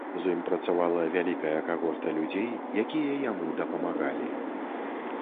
З ім працавала вялікая кагорта людзей, якія яму дапамагалі.